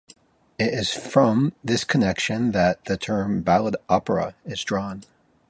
It is from this connection that the term "ballad opera" is drawn.